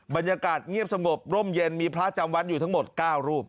บรรยากาศเงียบสงบร่มเย็นมีพระจำวัดอยู่ทั้งหมด๙รูป